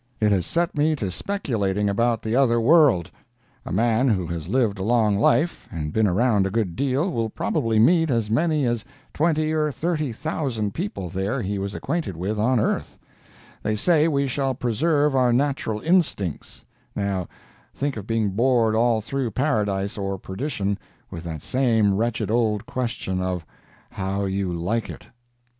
It has set me to speculating about the other world. A man who has lived a long life, and been around a good deal, will probably meet as many as twenty or thirty thousand people there he was acquainted with on earth; they say we shall preserve our natural instincts—now, think of being bored all through Paradise or perdition with that same wretched old question of "how you like it."